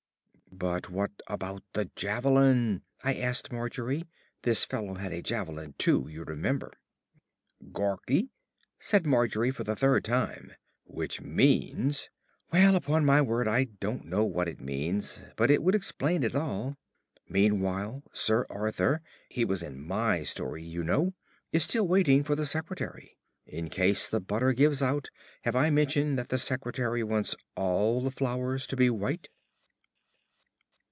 '" "But what about the javelin?" I asked Margery. (This fellow had a javelin too, you remember.) "Gorky," said Margery for the third time, which means Well, upon my word, I don't know what it means. But it would explain it all. Meanwhile Sir Arthur (he was in my story, you know) is still waiting for the Secretary. In case the butter gives out, have I mentioned that the Secretary wants all the flowers to be white?